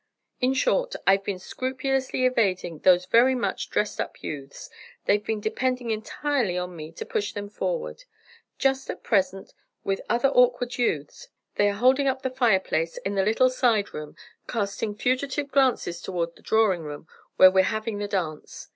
In short, I've been scrupulously evading those very much dressed up youths. They've been depending entirely on me to push them forward; just at present, with other awkward youths, they are holding up the fireplace in the little side room, casting fugitive glances toward the drawing room, where we're having the dance!"